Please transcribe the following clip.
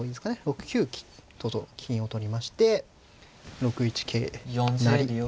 ６九とと金を取りまして６一桂成。